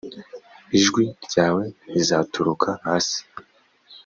ijwi ryawe rizaturuka hasi